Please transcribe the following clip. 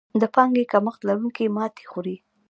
د پانګې کمښت لرونکي ماتې خوري.